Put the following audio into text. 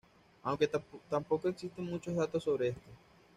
Aunque tampoco existen muchos datos sobre esto.